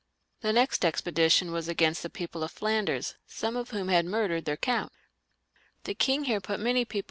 The next expedi tion was against the people of Flanders, some of whom had murdered their count. The king here put many people to XIV.